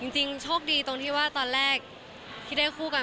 จริงโชคดีตรงที่ว่าตอนแรกที่ได้คู่กัน